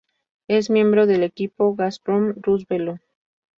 Es miembro del equipo Gazprom-RusVelo.